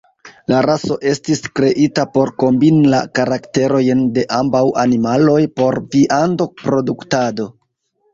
La raso estis kreita por kombini la karakterojn de ambaŭ animaloj por viando-produktado.